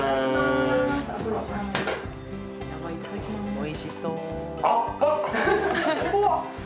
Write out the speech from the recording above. おいしそう。